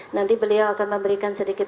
nanti beliau akan memberikan sedikit